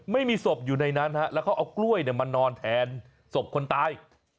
ไม่มีศพอยู่ในนั้นแล้วเขาเอากล้วยมานอนแทนศพคนตาย